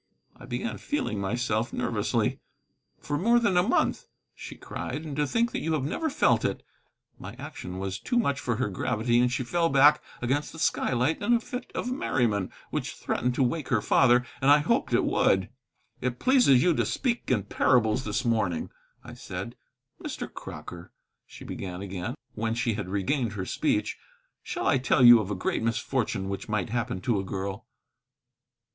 I began feeling myself, nervously. "For more than a month," she cried, "and to think that you have never felt it." My action was too much for her gravity, and she fell back against the skylight in a fit of merriment, which threatened to wake her father. And I hoped it would. "It pleases you to speak in parables this morning," I said. "Mr. Crocker," she began again, when she had regained her speech, "shall I tell you of a great misfortune which might happen to a girl?"